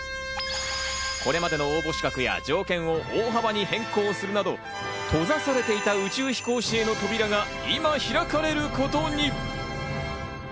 これまでの応募資格や条件を大幅に変更するなど閉ざされていた宇宙飛行士への扉が今開かれることに。